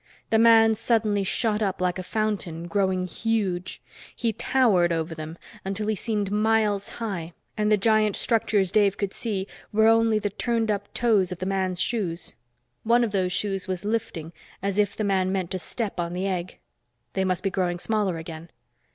The man suddenly shot up like a fountain, growing huge; he towered over them, until he seemed miles high and the giant structures Dave could see were only the turned up toes of the man's shoes. One of those shoes was lifting, as if the man meant to step on the egg. They must be growing smaller again.